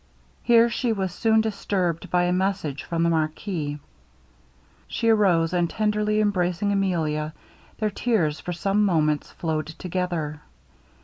Here she was soon disturbed by a message from the marquis. She arose, and tenderly embracing Emilia, their tears for some moments flowed together.